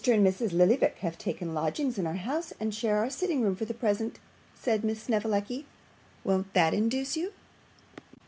and Mrs. Lillyvick have taken lodgings in our house, and share our sitting room for the present,' said Miss Snevellicci. 'Won't that induce you?